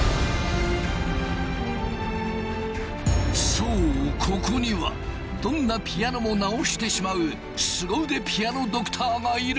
そうここにはどんなピアノも直してしまうすご腕ピアノドクターがいる。